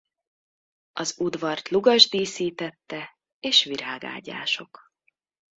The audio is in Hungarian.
Az udvart lugas díszítette és virágágyások.